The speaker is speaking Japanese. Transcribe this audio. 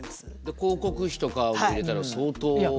広告費とかも入れたら相当ですよね。